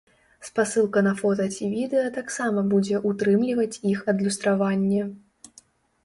Спасылка на фота ці відэа таксама будзе ўтрымліваць іх адлюстраванне.